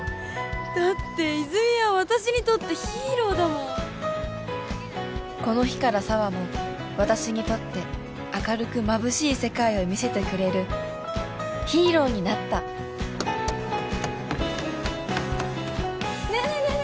だって泉は私にとってヒーローだもんこの日から紗羽も私にとって明るくまぶしい世界を見せてくれるヒーローになったねえねえねえね